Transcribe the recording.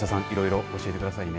いろいろ教えてくださいね。